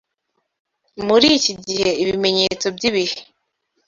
Muri iki gihe ibimenyetso by’ibihe